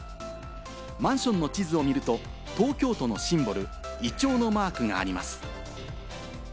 マンションの地図を見ると、東京都のシンボル、イチョウのマークがあります。